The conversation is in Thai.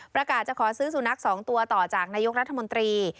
ประกาศจะขอซื้อสุนัข๒ตัวต่อจากนายกรัฐมนตรี